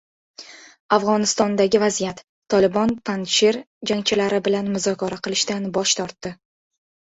Afg‘onistondagi vaziyat: Tolibon Panjshir jangchilari bilan muzokara qilishdan bosh tortdi